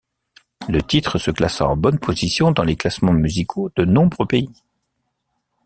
Le titre se classa en bonne position dans les classements musicaux de nombreux pays.